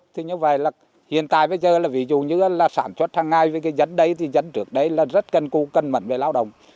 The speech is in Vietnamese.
thì như vậy là hiện tại bây giờ là ví dụ như là sản xuất hàng ngày với cái dấn đấy thì dấn trước đấy là rất cân cư cân mận về lao động